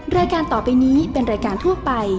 รายการต่อไปนี้เป็นรายการทั่วไป